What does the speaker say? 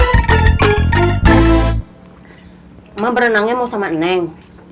mama berenangnya mau sama neng